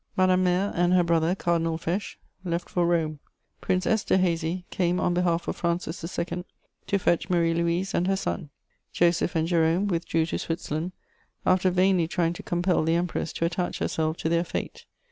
Madame Mère and her brother, Cardinal Fesch, left for Rome. Prince Esterhazy came on behalf of Francis II. to fetch Marie Louise and her son. Joseph and Jerome withdrew to Switzerland, after vainly trying to compel the Empress to attach herself to their fate.